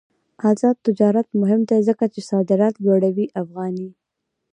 آزاد تجارت مهم دی ځکه چې صادرات لوړوي افغاني.